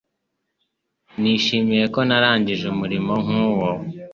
Nishimiye ko narangije umurimo nk'uwo.